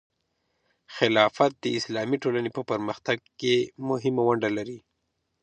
خلافت د اسلامي ټولنې په پرمختګ کې مهمه ونډه لري.